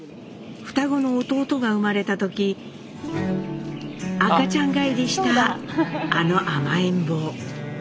双子の弟が生まれた時赤ちゃん返りしたあの甘えん坊。